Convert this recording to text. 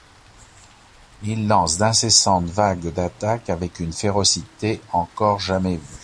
Ils lancent d'incessantes vagues d'attaque avec une férocité encore jamais vue.